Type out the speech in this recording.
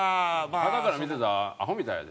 はたから見てたらアホみたいやで。